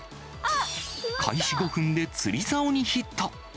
開始５分で釣りざおにヒット。